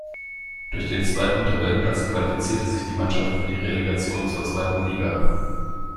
Durch den zweiten Tabellenplatz qualifizierte sich die Mannschaft für die Relegation zur zweiten Liga.